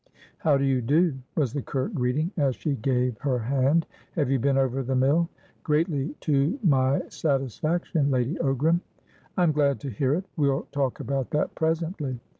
"How do you do?" was the curt greeting, as she gave her hand. "Have you been over the mill?" "Greatly to my satisfaction, Lady Ogram." "I'm glad to hear it. We'll talk about that presently.